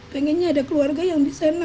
pengennya ada keluarga yang bisa naungin kita